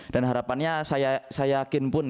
dan harapannya saya yakin pun